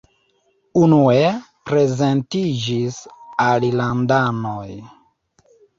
Unue prezentiĝis alilandanoj.